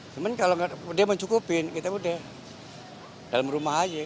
cuman kalau dia mencukupin kita udah dalam rumah aja